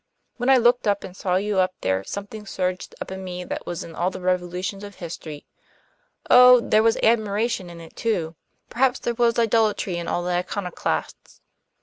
When I looked up and saw you up there something surged up in me that was in all the revolutions of history. Oh, there was admiration in it too! Perhaps there was idolatry in all the iconoclasts."